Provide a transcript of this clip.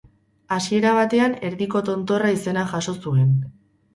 Hasiera batean Erdiko Tontorra izena jaso zuen.